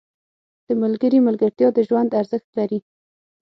• د ملګري ملګرتیا د ژوند ارزښت لري.